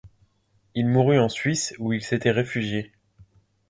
Il mourut en Suisse, où il s’était réfugié.